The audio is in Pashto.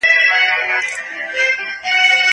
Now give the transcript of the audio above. د پښو توازن تمرین کړئ.